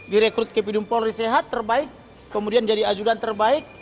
direkrut ke pidum polri sehat terbaik kemudian jadi ajudan terbaik